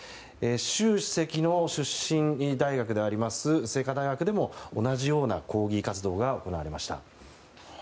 習主席の出身大学である清華大学でも同じような抗議活動が行われました。